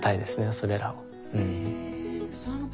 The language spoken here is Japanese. それらを。